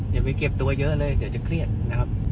อย่าไปเก็บตัวเยอะเลยเดี๋ยวจะเครียดนะครับ